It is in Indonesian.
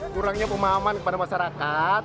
kurangnya pemahaman kepada masyarakat